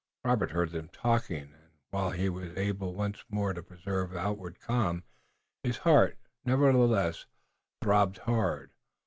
Robert heard them talking, and while he was able once more to preserve outward calm, his heart, nevertheless, throbbed hard.